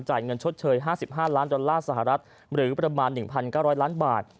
เงินชดเชย๕๕ล้านดอลลาร์สหรัฐหรือประมาณ๑๙๐๐ล้านบาท